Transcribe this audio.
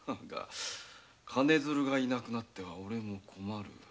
金づるがいなくなってはおれも困る。